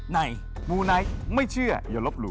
ไหนมูลไหนไม่เชื่ออย่ารบหลู่